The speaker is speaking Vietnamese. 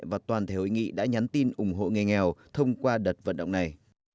và toàn thể hội nghị đã nhắn tin ủng hộ nghề nghèo thông qua đợt vận động này